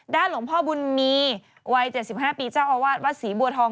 หลวงพ่อบุญมีวัย๗๕ปีเจ้าอาวาสวัดศรีบัวทอง